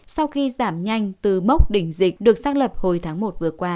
sau khi giảm nhanh từ mốc đỉnh dịch được xác lập hồi tháng một vừa qua